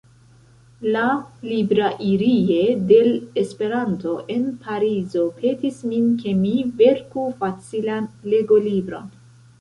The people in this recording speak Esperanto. La "Librairie de l' Esperanto" en Parizo petis min, ke mi verku facilan legolibron.